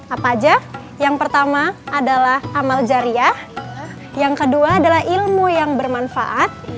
apa aja yang pertama adalah amal jariah yang kedua adalah ilmu yang bermanfaat